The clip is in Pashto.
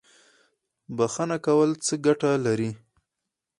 بخښنه کول څه ګټه لري؟